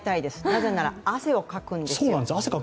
なぜなら、汗をかくんです